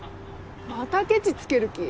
またケチつける気？